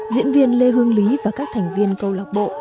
diễn viên lê hương lý và các thành viên câu lạc bộ